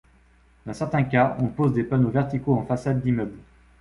Dans certains cas, on pose des panneaux verticaux en façade d'immeuble.